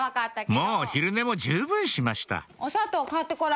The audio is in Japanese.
もう昼寝も十分しました